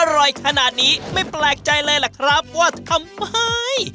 อร่อยขนาดนี้ไม่แปลกใจเลยล่ะครับว่าทำไม